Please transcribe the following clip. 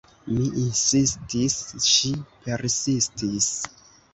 Mi insistis; ŝi persistis.